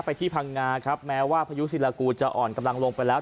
ที่พังงาครับแม้ว่าพายุศิลากูจะอ่อนกำลังลงไปแล้ว